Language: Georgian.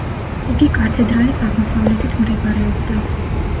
იგი კათედრალის აღმოსავლეთით მდებარეობდა.